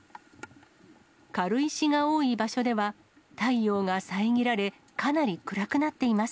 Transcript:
軽石が多い場所では、太陽が遮られ、かなり暗くなっています。